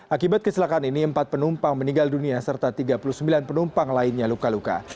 akibat kecelakaan ini empat penumpang meninggal dunia serta tiga puluh sembilan penumpang lainnya luka luka